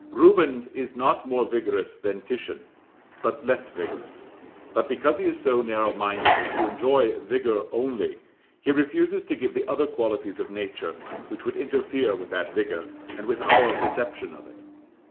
Rubens is not more vigorous than Titian, but less vigorous; but because he is so narrow minded as to enjoy vigour only, he refuses to give the other qualities of nature, which would interfere with that vigour and with our perception of it.